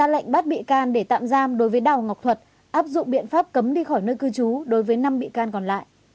lệnh bắt bị can để tạm giam đối với đào ngọc thuật áp dụng biện pháp cấm đi khỏi nơi cư trú đối với năm bị can còn lại